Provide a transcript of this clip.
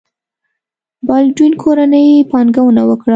بالډوین کورنۍ پانګونه وکړه.